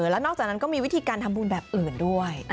แล้วนอกจากนั้นก็มีวิธีการทำบุญแบบอื่นด้วย